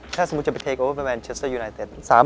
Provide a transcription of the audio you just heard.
ถ้าสมมุติจะไปเทคโอเวอร์แมนเชสเตอร์ยูไนเตส